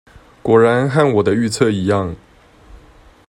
果然和我的預測一樣